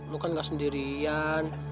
lu kan gak sendirian